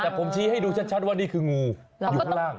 แต่ผมชี้ให้ดูชัดว่านี่คืองูอยู่ข้างล่าง